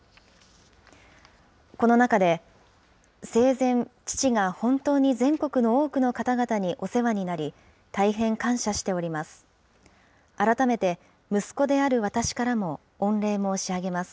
この中で、生前、父が本当に全国の多くの方々にお世話になり、大変感謝しております。